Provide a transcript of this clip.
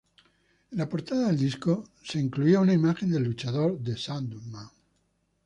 En la portada del disco fue incluida una imagen del luchador The Sandman.